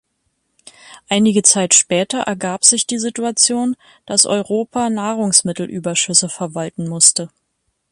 Einige Zeit später ergab sich die Situation, dass Europa Nahrungsmittelüberschüsse verwalten musste.